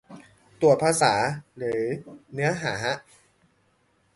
ตรวจภาษาหรือเนื้อหาฮะ